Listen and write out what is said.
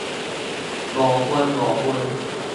五分五分